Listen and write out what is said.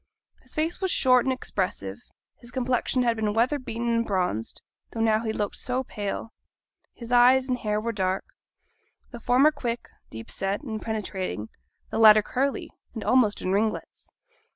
His face was short and expressive; his complexion had been weatherbeaten and bronzed, though now he looked so pale; his eyes and hair were dark, the former quick, deep set, and penetrating; the latter curly, and almost in ringlets.